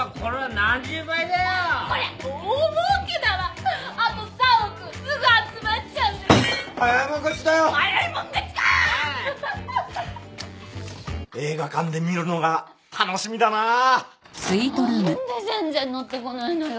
何で全然乗ってこないのよ。